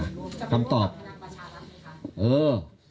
จะไปร่วมกับพลังประชารักษ์ไหมคะ